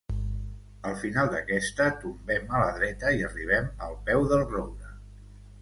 Al final d'aquesta, tombem a la dreta i arribem al peu del roure.